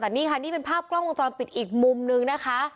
แต่นี่ค่ะนี่เป็นภาพกล้องวงจรปิดอีกมุมนึงนะคะ